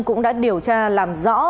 cũng đã điều tra làm rõ